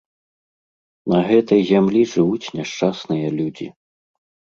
На гэтай зямлі жывуць няшчасныя людзі.